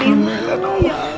alhamdulillah aku senang banget